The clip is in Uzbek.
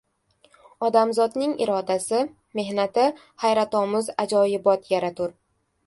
Odamzodning irodasi, mehnati, hayratomuz ajoyibot yaratur!